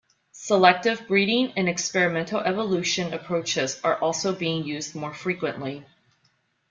Selective breeding and experimental evolution approaches are also being used more frequently.